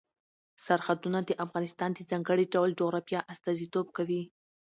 سرحدونه د افغانستان د ځانګړي ډول جغرافیه استازیتوب کوي.